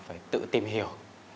phải tự tìm hiểu